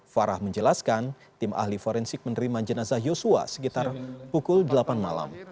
farah menjelaskan tim ahli forensik menerima jenazah yosua sekitar pukul delapan malam